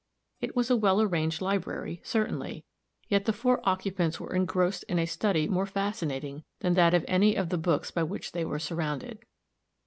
It was a well arranged library, certainly; yet the four occupants were engrossed in a study more fascinating than that of any of the books by which they were surrounded.